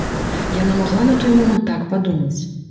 Яна магла на той момант так падумаць.